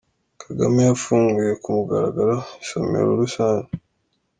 Kagame yafunguye ku mugaragaro isomero rusange